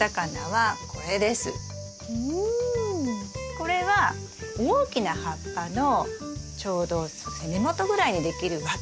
これは大きな葉っぱのちょうど根元ぐらいにできるわき芽なんですね。